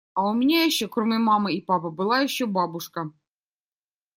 А у меня ещё, кроме мамы и папы, была ещё бабушка.